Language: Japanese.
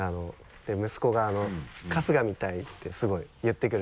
息子が「春日見たい」ってすごい言ってくるんで。